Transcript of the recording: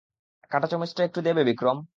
কাঁটাচামচটা একটু দেবে, বিক্রম?